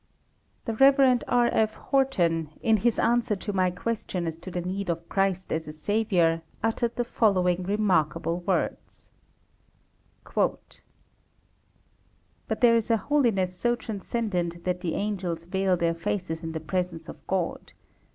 The Rev. R. F. Horton, in his answer to my question as to the need of Christ as a Saviour, uttered the following remarkable words: But there is a holiness so transcendent that the angels veil their faces in the presence of God.